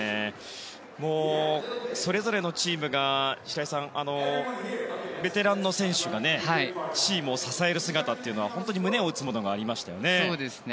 それぞれのチームが白井さん、ベテランの選手がチームを支える姿というのは本当に胸を打つものがありましたよね。